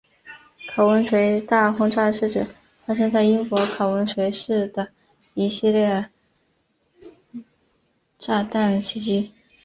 考文垂大轰炸是指发生在英国考文垂市的一系列炸弹袭击。